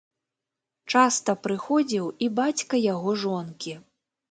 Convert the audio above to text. Часта прыходзіў і бацька яго жонкі.